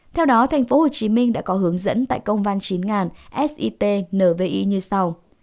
theo đó tp hcm đã có hướng dẫn tại công van chín nghìn sit nvi như sau